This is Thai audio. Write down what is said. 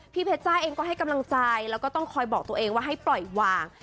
เพชรจ้าเองก็ให้กำลังใจแล้วก็ต้องคอยบอกตัวเองว่าให้ปล่อยวาง